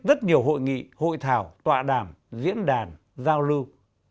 rất nhiều hội nghị hội thảo tọa đàm diễn đàn giao lưu